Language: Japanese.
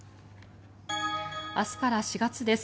明日から４月です。